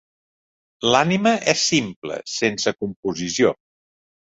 L'ànima és simple, sense composició.